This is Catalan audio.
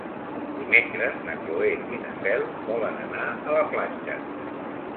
Dimecres na Cloè i na Cel volen anar a la platja.